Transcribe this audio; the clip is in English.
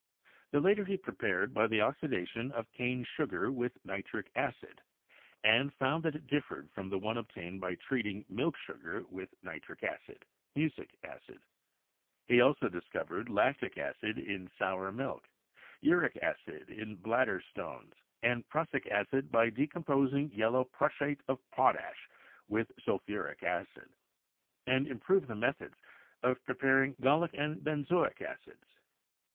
The latter he prepared by the oxidation of cane sugar with nitric acid, and found that it differed from the one obtained by treating milk sugar with nitric acid (mucic acid). He also discovered lactic acid in sour milk, uric acid in bladder stones, and prussic acid by de composing yellow prussiate of potash with sulphuric acid; and improved the methods of preparing gallic and ben zoic acids.